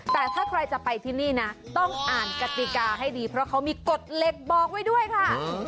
แต่ถ้าใครจะไปที่นี่นะต้องอ่านกติกาให้ดีเพราะเขามีกฎเหล็กบอกไว้ด้วยค่ะ